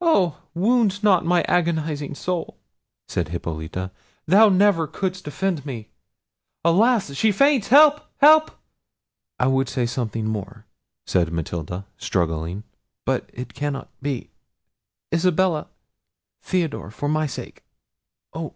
"Oh! wound not my agonising soul!" said Hippolita; "thou never couldst offend me—Alas! she faints! help! help!" "I would say something more," said Matilda, struggling, "but it cannot be—Isabella—Theodore—for my sake—Oh!